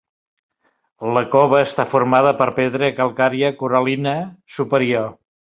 La cova està formada per pedra calcària coral·lina superior.